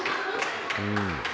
うん。